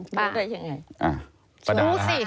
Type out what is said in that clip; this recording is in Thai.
รู้ได้ยังไง